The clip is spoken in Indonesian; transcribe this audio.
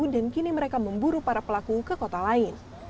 dan kini mereka memburu para pelaku ke kota lain